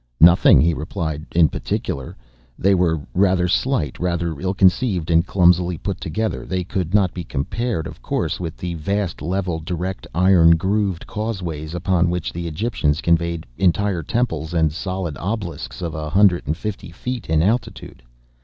"Nothing," he replied, "in particular." They were rather slight, rather ill conceived, and clumsily put together. They could not be compared, of course, with the vast, level, direct, iron grooved causeways upon which the Egyptians conveyed entire temples and solid obelisks of a hundred and fifty feet in altitude.